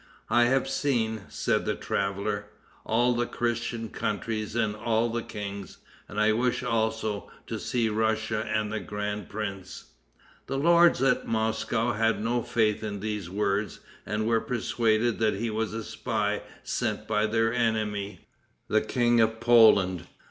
"I have seen," said the traveler, "all the Christian countries and all the kings, and I wished, also, to see Russia and the grand prince." The lords at Moscow had no faith in these words, and were persuaded that he was a spy sent by their enemy, the King of Poland.